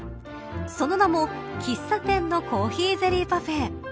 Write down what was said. その名も喫茶店のコーヒーゼリーパフェ。